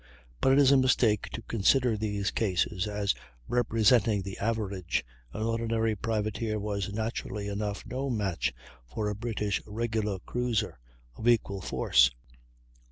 But it is a mistake to consider these cases as representing the average; an ordinary privateer was, naturally enough, no match for a British regular cruiser of equal force.